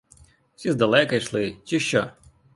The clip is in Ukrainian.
Чи здалека йшли, чи що?